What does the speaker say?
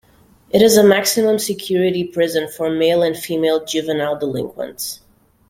It is a maximum security prison for male and female juvenile delinquents.